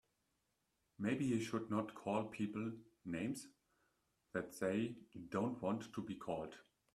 Maybe he should not call people names that they don't want to be called.